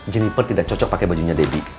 jeniper tidak cocok pake bajunya dedi